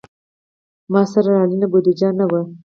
ما سره اړینه بودیجه نه وه.